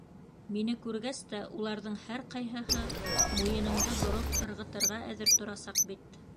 Мине күргәс тә уларҙың һәр ҡайһыһы муйынымды бороп ырғытырға әҙер торасаҡ бит.